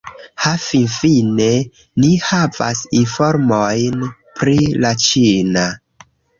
Ha, finfine ni havas informojn pri la ĉina!